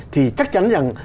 thì chắc chắn rằng